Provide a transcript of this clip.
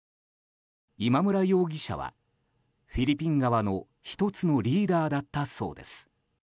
今村容疑者はフィリピン側の１つのリーダーだったそうです。